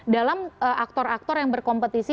dalam aktor aktor yang berkompetisi